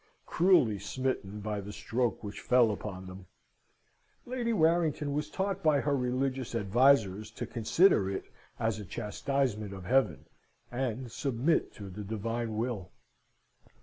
Cruelly smitten by the stroke which fell upon them, Lady Warrington was taught by her religious advisers to consider it as a chastisement of Heaven, and submit to the Divine Will.